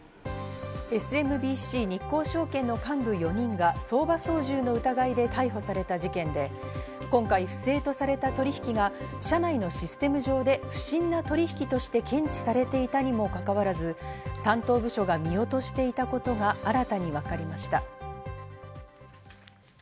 ＳＭＢＣ日興証券の幹部４人が相場操縦の疑いで逮捕された事件で、今回、不正とされた取引が社内のシステム上で不審な取引として検知されていたにもかかわらず担当部署が見落としていたことが新たに分かりました。